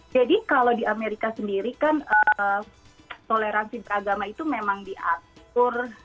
jadi kalau di amerika sendiri kan toleransi beragama itu memang diatur